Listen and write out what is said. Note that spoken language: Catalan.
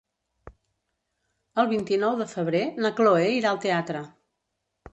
El vint-i-nou de febrer na Chloé irà al teatre.